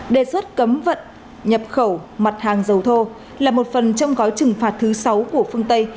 đề xuất cấm vận nhập khẩu mặt hàng dầu thô là một phần trong gói trừng phạt thứ sáu của phương tây